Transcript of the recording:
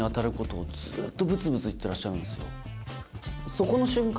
そこの瞬間